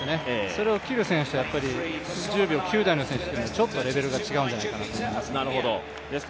それを切る選手は１０秒９台の選手でもちょっとレベルが違うんじゃないかなと思います。